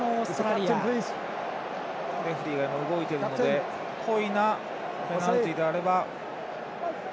レフリーが動いているので故意なペナルティであれば。